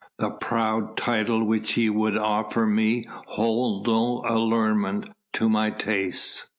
The proud title which ye would offer me holds no allurement to my tastes.